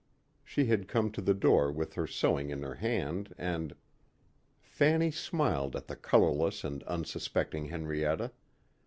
She had come to the door with her sewing in her hand and.... Fanny smiled at the colorless and unsuspecting Henrietta.